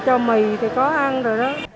cho mì thì có ăn rồi đó